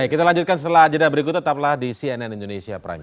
kita lanjutkan setelah jeda berikut tetaplah di cnn indonesia prime news